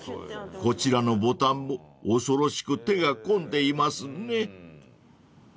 ［こちらのボタンも恐ろしく手が込んでいますね］